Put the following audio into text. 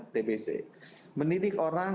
tb c mendidik orang